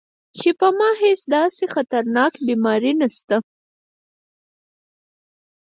چې پۀ ما هېڅ داسې خطرناکه بيماري نشته -